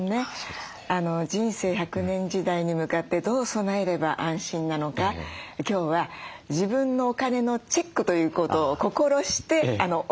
人生１００年時代に向かってどう備えれば安心なのか今日は自分のお金のチェックということを心してお勉強したいと思ってます。